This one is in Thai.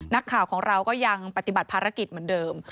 นักข่าวของเราก็ยังปฏิบัติภารกิจเหมือนเดิม